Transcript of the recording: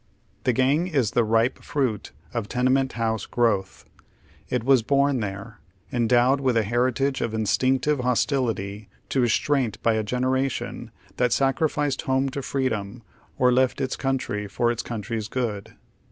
The gang is the ripe fruit of tenement house growth. It was born there, endowed with a herit age of instinctive hostility to restraint by a generation that saci'ificed home to freedom, or left its comitry for its country's good.